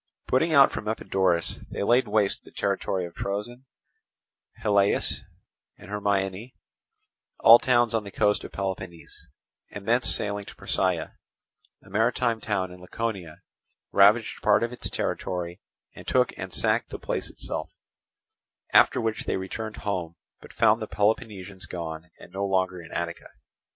Putting out from Epidaurus, they laid waste the territory of Troezen, Halieis, and Hermione, all towns on the coast of Peloponnese, and thence sailing to Prasiai, a maritime town in Laconia, ravaged part of its territory, and took and sacked the place itself; after which they returned home, but found the Peloponnesians gone and no longer in Attica.